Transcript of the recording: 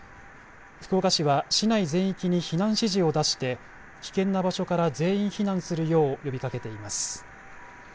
福岡市は市内全域に避難指示を出して、危険な場所から全員避難するよう呼びかけています。